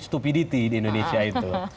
stupidity di indonesia itu